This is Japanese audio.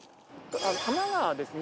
多摩川はですね